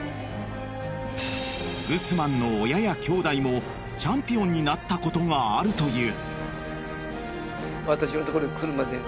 ［グスマンの親や兄弟もチャンピオンになったことがあるという］